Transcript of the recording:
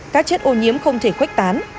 các chất ô nhiễm không thể khuếch tán